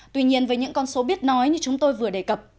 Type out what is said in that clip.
tuy nhiên với những con số biết nói như chúng tôi vừa đề cập